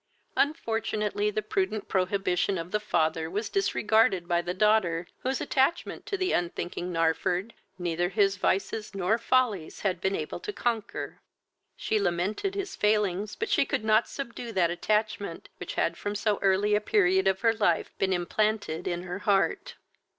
Unfortunately the prudent prohibition of the father was disregarded by the daughter, whose attachment to the unthinking Narford neither his vices nor follies had been able to conquer. She lamented his failings, but she could not subdue that attachment which had from so early a period of her life been implanted in her heart.